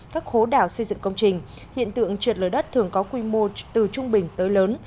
các khố đảo xây dựng công trình hiện tượng trượt lở đất thường có quy mô từ trung bình tới lớn